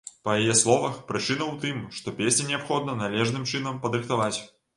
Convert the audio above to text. Па яе словах, прычына ў тым, што песні неабходна належным чынам падрыхтаваць.